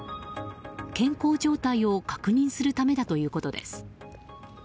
健康状態を確認するためだということです。